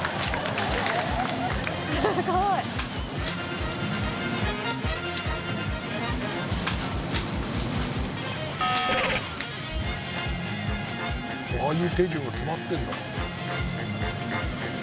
すごい。ああいう手順が決まってるんだ。